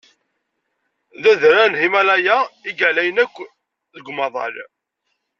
D adrar n Himalaya i yeɛlayen akk deg umaḍal.